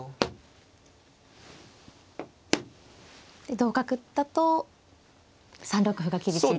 同角だと３六歩が厳しいと。